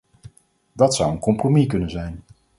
Dat zou een compromis kunnen zijn.